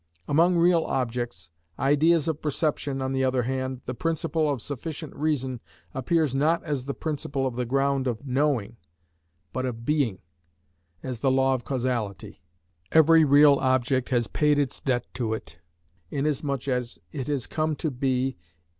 Among real objects, ideas of perception, on the other hand, the principle of sufficient reason appears not as the principle of the ground of knowing, but of being, as the law of causality: every real object has paid its debt to it, inasmuch as it has come to be, _i.e.